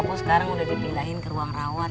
pak uya sekarang udah dipindahin ke ruang rawar